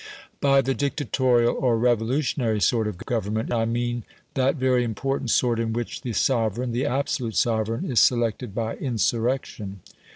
By the Dictatorial, or Revolutionary, sort of government, I mean that very important sort in which the sovereign the absolute sovereign is selected by insurrection.